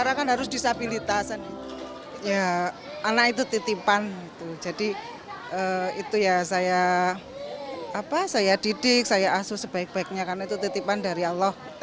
anak anak jadi itu ya saya didik saya asuh sebaik baiknya karena itu titipan dari allah